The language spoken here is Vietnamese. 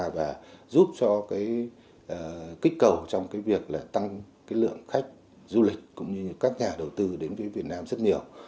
và giúp cho kích cầu trong việc tăng lượng khách du lịch cũng như các nhà đầu tư đến với việt nam rất nhiều